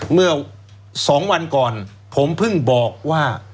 เมื่อ๒วันก่อนผมเพิ่งบอกว่า